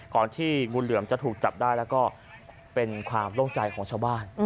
ที่งูเหลือมจะถูกจับได้แล้วก็เป็นความโล่งใจของชาวบ้าน